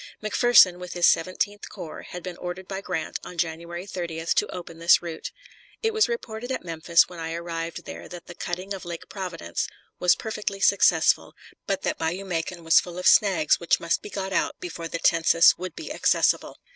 McPherson, with his Seventeenth Corps, had been ordered by Grant on January 30th to open this route. It was reported at Memphis when I arrived there that the cutting of Lake Providence was perfectly successful, but that Bayou Macon was full of snags, which must be got out before the Tensas would be accessible.